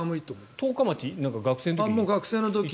十日町は学生の時に？